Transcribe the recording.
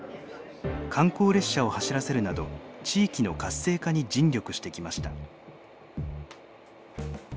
観光列車を走らせるなど地域の活性化に尽力してきました。